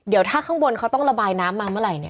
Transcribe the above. เดี๋ยวถ้าข้างบนเขาต้องระบายน้ำมาเมื่อไหร่เนี่ย